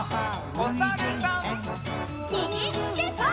おさるさん。